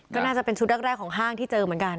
ก็น่าจะเป็นชุดแรกของห้างที่เจอเหมือนกัน